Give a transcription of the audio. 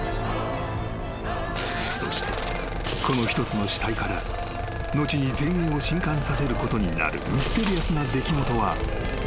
［そしてこの一つの死体から後に全英を震撼させることになるミステリアスな出来事は幕を開けるのである］